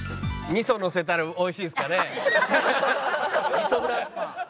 味噌フランスパン。